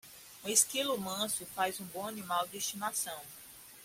Um esquilo manso faz um bom animal de estimação.